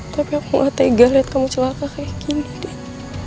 tapi aku gak tega lihat kamu celaka kayak gini deh